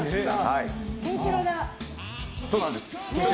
そうなんです。